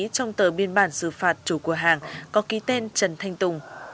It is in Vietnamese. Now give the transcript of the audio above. trong tờ biên bản xử phạt chủ cửa hàng có ký tên trần thanh tùng